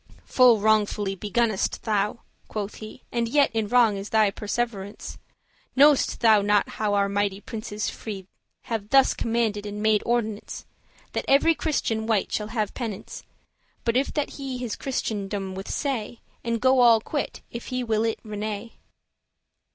"Full wrongfully begunnest thou," quoth he, "And yet in wrong is thy perseverance. Know'st thou not how our mighty princes free Have thus commanded and made ordinance, That every Christian wight shall have penance,* *punishment But if that he his Christendom withsay,* *deny And go all quit, if he will it renay?"